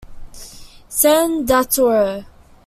Sen. Dato' Ir.